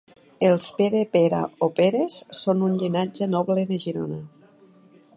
Els Pere, Pera o Peres són un llinatge noble de Girona.